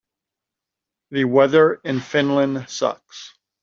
The weather in Finland sucks.